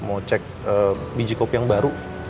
mau cek biji kopi yang baru